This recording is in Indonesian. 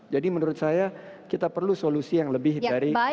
jadi menurut saya kita perlu solusi yang lebih dari